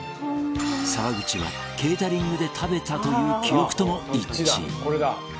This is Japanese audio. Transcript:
沢口はケータリングで食べたという記憶とも一致！